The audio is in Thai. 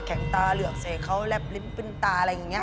แบบนั้นเลยหรือเปล่าและจริงแบบนั้นเลยหรือเปล่า